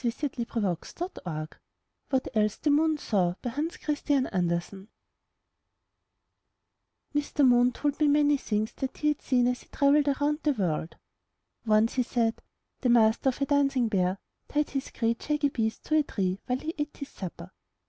100 I N T H E N U R S E R Y WHAT ELSE THE MOON SAW Hans Christian Andersen Mr. Moon told me many things that he had seen as he travelled around the world. "Once/* he said, *'the Master of a dancing bear tied his great shaggy beast to a tree while he ate his supper.